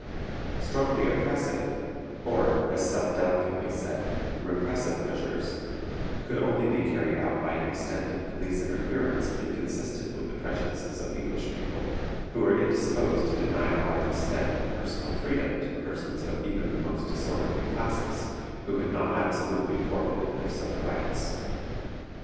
Strongly oppressive, or, as some delicately said, repressive measures could only be carried out by an extent of police interference inconsistent with the prejudices of English people, who were indisposed to deny a large extent of personal freedom to persons of even the most disorderly classes who had not absolutely forfeited their civil rights.